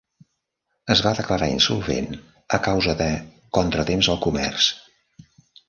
Es va declarar insolvent a causa de "contratemps al comerç".